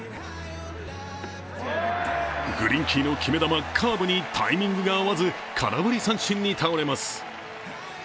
グリンキーの決め球カーブにタイミングが合わず空振り三振に倒れます。